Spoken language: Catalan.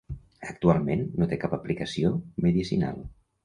Actualment no té cap aplicació medicinal.